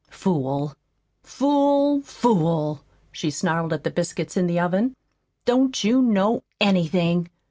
"Fool! FOOL! FOOL!" she snarled at the biscuits in the oven. "Don't you know ANYTHING?"